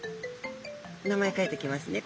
名前書いときますね。